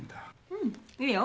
うんいいよ。